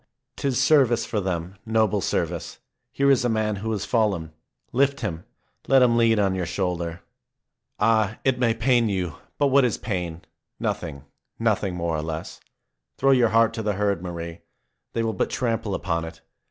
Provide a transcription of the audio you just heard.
'Tis service for them, noble service. Here is a man who has fallen. Lift him; let him lean on your shoulder. 26 MARIE Ah! it may pain you. But what is pain? Nothing, nothing — more or less. Throw your heart to the herd, Marie. They will but trample upon it.